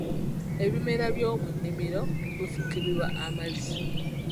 Ebimera by'omu nnimiro bufukirirwa amazzi